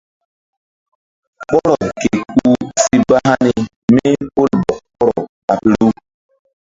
Ɓɔrɔ ke kuh si ba hani mí pol bɔk ɓɔrɔ ɓa piru.